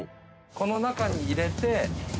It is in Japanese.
この中に入れて。